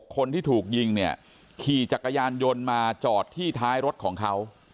คนที่ถูกยิงเนี่ยขี่จักรยานยนต์มาจอดที่ท้ายรถของเขา